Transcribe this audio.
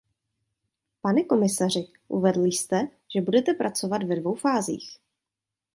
Pane komisaři, uvedl jste, že budete pracovat ve dvou fázích.